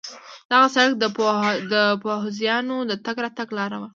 دغه سړک د پوځیانو د تګ راتګ لار وه.